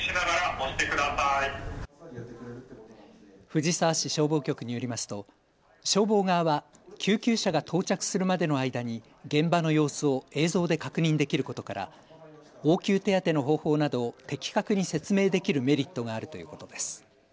藤沢市消防局によりますと消防側は救急車が到着するまでの間に現場の様子を映像で確認できることから応急手当ての方法などを的確に説明できるメリットがあるということです。